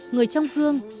người trong hương